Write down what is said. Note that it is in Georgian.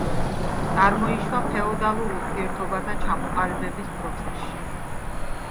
წარმოიშვა ფეოდალურ ურთიერთობათა ჩამოყალიბების პროცესში.